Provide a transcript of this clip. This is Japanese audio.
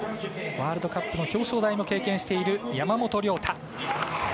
ワールドカップの表彰台も経験している山本涼太。